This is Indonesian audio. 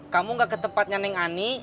kamu gak ke tempatnya neng ani